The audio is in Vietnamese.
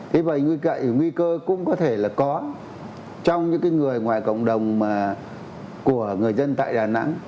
thế vậy nguy cơ cũng có thể là có trong những cái người ngoài cộng đồng mà của người dân tại đà nẵng